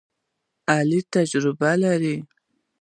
علي تجربه لري.